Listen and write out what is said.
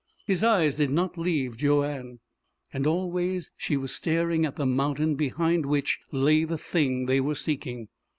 His eyes did not leave Joanne. And always she was staring at the mountain behind which lay the thing they were seeking!